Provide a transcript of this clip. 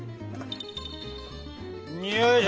よいしょ。